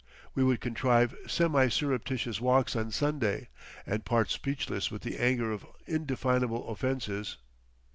We would contrive semi surreptitious walks on Sunday, and part speechless with the anger of indefinable offences.